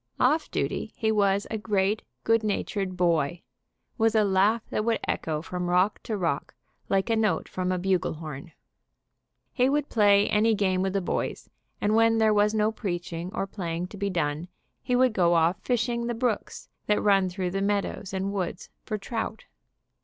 Off duty he was a great, good natured boy, with a laugh that would echo from rock to rock like a note from a bugle horn. He would play any game with the boys, and when there was no preaching or playing to be done he would go off fishing the brooks that run through the meadows and woods for trout.